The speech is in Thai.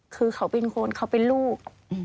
คือเขาเป็นคนเขาเป็นลูก